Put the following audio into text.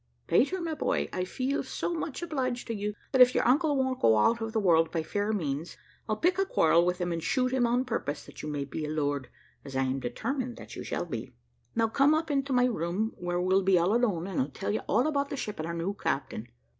"Peter, my boy, I feel so much obliged to you, that if your uncle won't go out of the world by fair means, I'll pick a quarrel with him, and shoot him, on purpose that you may be a lord, as I am determined that you shall be. Now come up into my room, where we'll be all alone, and I'll tell you all about the ship and our new captain.